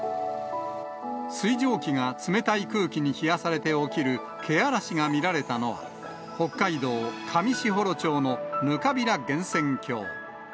水蒸気が冷たい空気に冷やされて起きるけあらしが見られたのは、北海道上士幌町のぬかびら源泉郷。